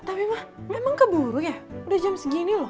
tapi mah memang keburu ya udah jam segini loh